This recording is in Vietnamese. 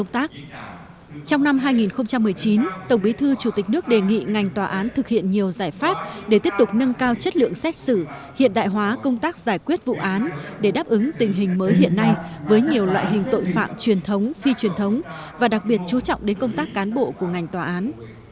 trong năm hai nghìn một mươi chín tổng bí thư chủ tịch nước đề nghị ngành tòa án thực hiện nhiều giải pháp để tiếp tục nâng cao chất lượng xét xử hiện đại hóa công tác giải quyết vụ án để đáp ứng tình hình mới hiện nay với nhiều loại hình tội phạm truyền thống phi truyền thống và đặc biệt chú trọng đến công tác cán bộ của ngành tòa án